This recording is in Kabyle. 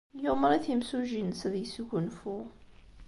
Yumeṛ-it yimsujji-nnes ad yesgunfu.